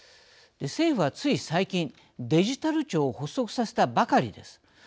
政府はつい最近、デジタル庁を発足させたばかりです。